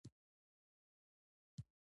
دا د عثماني امپراتورۍ له لوري رامنځته شول.